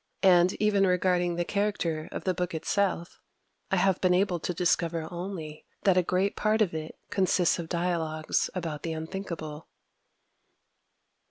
And, even regarding the character of the book itself, I have been able to discover only that a great part of it consists of dialogues about the Unthinkable.